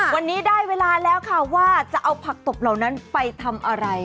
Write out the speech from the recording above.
วันนี้ได้เวลาแล้วค่ะว่าจะเอาผักตบเหล่านั้นไปทำอะไร